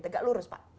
tegak lurus pak